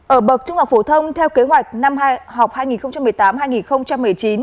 ở bậc trung học phổ thông theo kế hoạch năm học hai nghìn một mươi tám hai nghìn một mươi chín